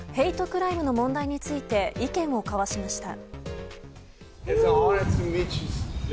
クライムの問題について意見を交わしました。